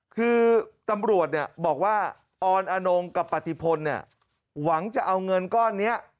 คือตำรวจบอกว่าออนอนงกับปฏิพลหวังจะเอาเงินก้อนนี้